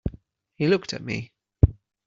He looked at me.